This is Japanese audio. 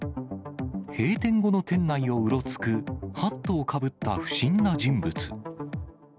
閉店後の店内をうろつくハットをかぶった不審な人物。